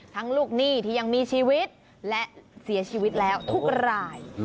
ลูกหนี้ที่ยังมีชีวิตและเสียชีวิตแล้วทุกราย